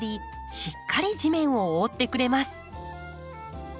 しっかり地面を覆ってくれます。